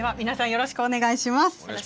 よろしくお願いします。